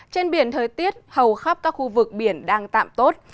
trên biển thời tiết hầu khắp các khu vực biển đang tạm tốt